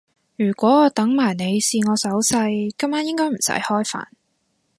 如果我等埋你試我手勢，今晚應該唔使開飯